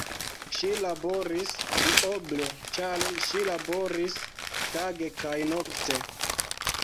Ŝi laboris duoble, ĉar ŝi laboris tage kaj nokte.